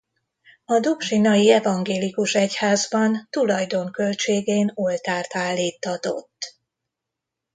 A dobsinai evangélikus egyházban tulajdon költségén oltárt állíttatott.